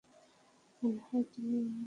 মনেহয় তুমিই আমার দেখা সবচেয়ে স্পেশাল গার্ল।